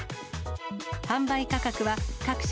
販売価格は各社